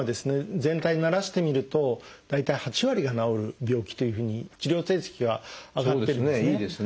全体にならしてみると大体８割が治る病気というふうに治療成績は上がってるんですね。